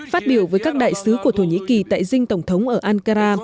phát biểu với các đại sứ của thổ nhĩ kỳ tại dinh tổng thống ở ankara